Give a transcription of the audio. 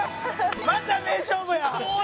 また名勝負や！